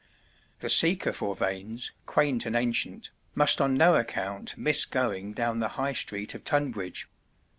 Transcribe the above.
The seeker for vanes, quaint and ancient, must on no account miss going down the High Street of Tonbridge.